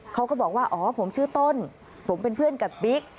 เขาก็บอกว่าอ๋อผมชื่อต้นผมเป็นเพื่อนกับบิ๊ก